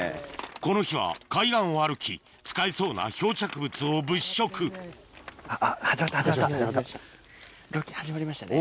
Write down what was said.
この日は海岸を歩き使えそうな漂着物を物色ロケ始まりましたね。